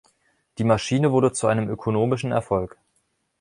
Die Maschine wurde zu einem ökonomischen Erfolg.